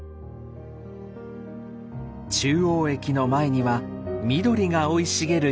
中央駅の前には緑が生い茂る広場。